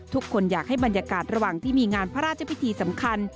ทุกคนอยากให้บรรยากาศระหว่างที่มีงานพระราชพิธีสำคัญ